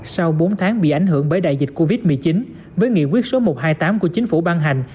sau bốn tháng bị ảnh hưởng bởi đại dịch covid một mươi chín với nghị quyết số một trăm hai mươi tám của chính phủ ban hành